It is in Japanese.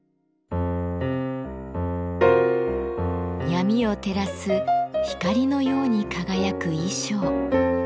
闇を照らす光のように輝く衣装。